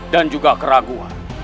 dan juga keraguan